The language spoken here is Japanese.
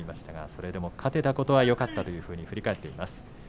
それでも勝てたことはよかったと振り返っています。